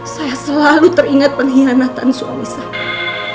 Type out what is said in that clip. saya selalu teringat pengkhianatan suami saya